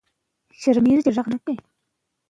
هغې وویل مصنوعي ځیرکتیا د څېړنو لپاره ګټوره ده.